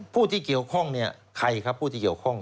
ผู้ที่เกี่ยวข้องเนี่ยใครครับผู้ที่เกี่ยวข้อง